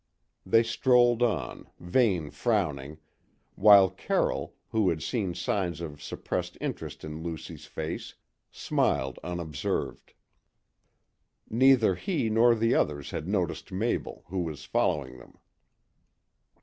They strolled on, Vane frowning, while Carroll, who had seen signs of suppressed interest in Lucy's face, smiled unobserved. Neither he nor the others had noticed Mabel, who was following them.